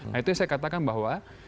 nah itu yang saya katakan bahwa